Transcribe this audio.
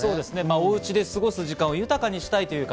お家で過ごす時間を豊かにしたいという方。